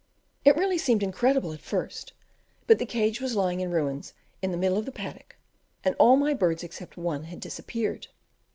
It really seemed incredible at first, but the cage was lying in ruins in the middle of the paddock, and all my birds except one had disappeared.